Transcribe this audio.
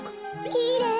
きれい！